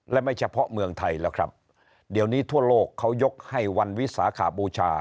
และไม่เฉพาะเมืองไทยแล้วครับเดี๋ยวนี้ทั่วโลกเขายกให้วันวิสาขบูชา